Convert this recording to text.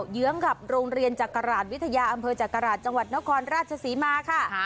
เยื้องกับโรงเรียนจักราชวิทยาอำเภอจักราชจังหวัดนครราชศรีมาค่ะ